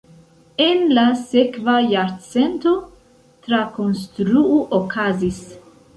En la sekva jarcento trakonstruo okazis.